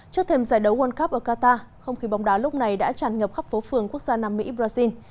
trước thêm giải đấu world cup ở qatar không khí bóng đá lúc này đã tràn ngập khắp phố phường quốc gia nam mỹ brazil